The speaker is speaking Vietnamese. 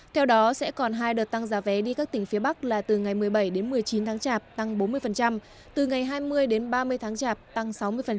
theo đó sẽ còn hai đợt tăng giá vé đi các tỉnh phía bắc là từ ngày một mươi bảy đến một mươi chín tháng chạp tăng bốn mươi từ ngày hai mươi đến ba mươi tháng chạp tăng sáu mươi